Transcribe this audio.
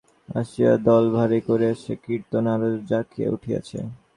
সকালবেলা নূতন নূতন লোক আসিয়া দল ভারী করিয়াছে, কীর্তন আরও জাকিয়া উঠিয়াছে।